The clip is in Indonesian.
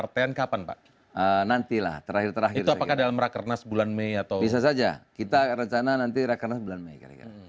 tentu pilpres penting